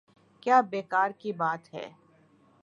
کیا بیکار کی بات ہے۔